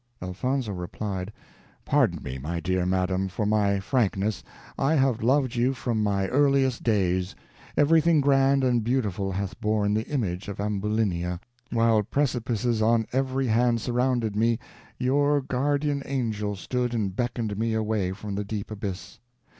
Elfonzo replied, "Pardon me, my dear madam, for my frankness. I have loved you from my earliest days everything grand and beautiful hath borne the image of Ambulinia; while precipices on every hand surrounded me, your guardian angel stood and beckoned me away from the deep abyss.